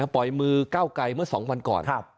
ปล่อยมือก้าวไกลเมื่อ๒วันก่อน